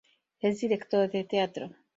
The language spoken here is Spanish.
Es director de teatro.